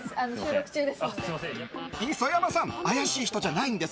磯山さん怪しい人じゃないんです。